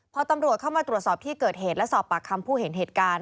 พอตำรวจเข้ามาตรวจสอบที่เกิดเหตุและสอบปากคำผู้เห็นเหตุการณ์